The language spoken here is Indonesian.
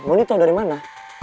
mondi tahu dari mana